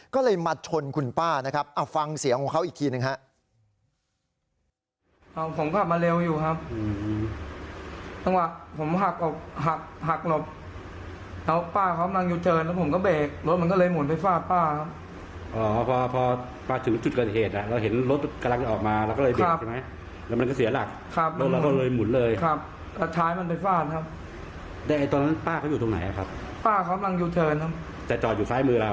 ก็เลยมาชนคุณป้านะครับเอาฟังเสียงของเขาอีกทีหนึ่งฮะ